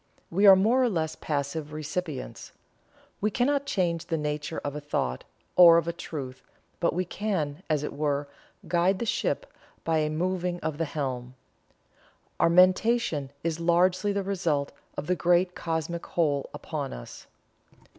We are more or less passive recipients. We cannot change the nature of a thought, or of a truth, but we can, as it were, guide the ship by a moving of the helm. Our mentation is largely the result of the great Cosmic Whole upon us."